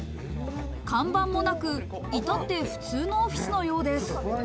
看板もなく、いたって普通のオフィスのようです。